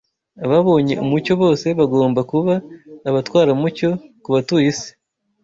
Ababonye umucyo bose bagomba kuba abatwaramucyo ku batuye isi